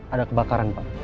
ada kebakaran pak